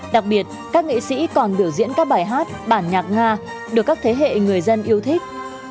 đặc biệt các nghệ sĩ còn biểu diễn các bài hát bản nhạc nga được các thế hệ người dân yêu thích